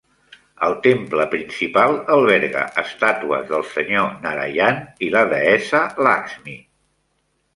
El temple principal alberga estàtues del Senyor Narayan i la Deessa Lakshmi.